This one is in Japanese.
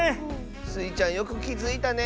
スイちゃんよくきづいたね！